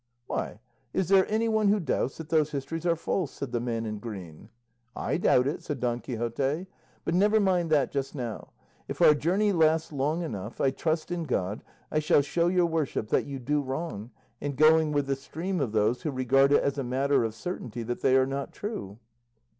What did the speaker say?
"Why, is there anyone who doubts that those histories are false?" said the man in green. "I doubt it," said Don Quixote, "but never mind that just now; if our journey lasts long enough, I trust in God I shall show your worship that you do wrong in going with the stream of those who regard it as a matter of certainty that they are not true."